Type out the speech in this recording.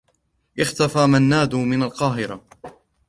اختفى منّاد من القاهرة.